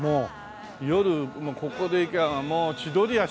夜ここでいきゃもう千鳥足で。